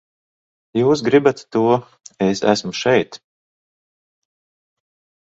Jūs gribat to, es esmu šeit!